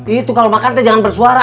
itu kalau makan kita jangan bersuara